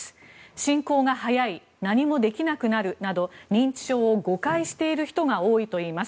進行が速い何もできなくなるなど認知症を誤解している人が多いといいます。